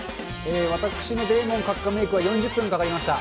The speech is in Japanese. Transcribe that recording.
私のデーモン閣下メークは４０分かかりました。